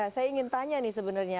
saya ingin tanya nih sebenarnya